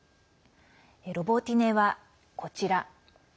ロボティネは、こちら。